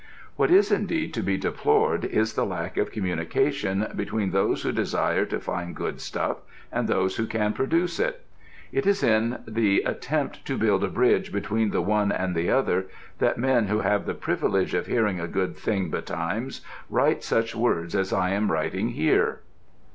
What is indeed to be deplored is the lack of communication between those who desire to find good stuff and those who can produce it: it is in the attempt to build a bridge between the one and the other that men who have the privilege of hearing a good thing betimes write such words as I am writing here.